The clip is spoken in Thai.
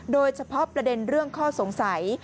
โดยเฉพาะประเด็นเรื่องข้อสงสัย